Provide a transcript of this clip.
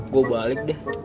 gue balik deh